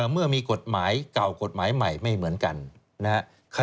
เมื่อมีกฎหมายเก่ากฎหมายใหม่ไม่เหมือนกันนะครับ